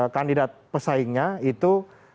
kandidat pesaingnya itu